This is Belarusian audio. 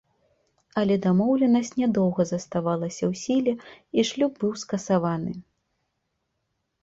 Але дамоўленасць нядоўга заставалася ў сіле, і шлюб быў скасаваны.